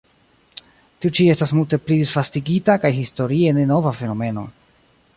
Tiu ĉi estas multe pli disvastigita kaj historie ne nova fenomeno.